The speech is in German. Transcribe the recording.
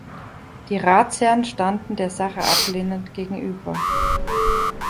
Die Ratsherren standen der Sache ablehnend gegenüber.